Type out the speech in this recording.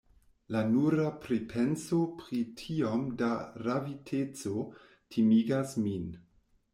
La nura pripenso pri tiom da raviteco timigas min.